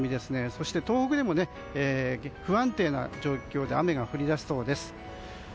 そして、東北でも不安定な状況で雨が降り出しそうです。